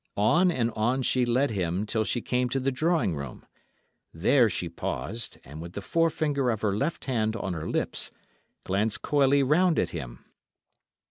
On and on she led him till she came to the drawing room; there she paused, and with the forefinger of her left hand on her lips, glanced coyly round at him.